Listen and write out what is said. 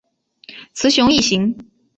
雌雄异型。